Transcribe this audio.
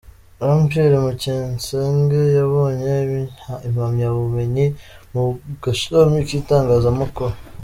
Jean Pierre Bucyensenge: yabonye impamyabumenyi mu gashami k’Itangazamakuru.